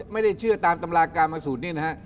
ไม่ได้เชื่อตามตำรากราบมาสู่นี้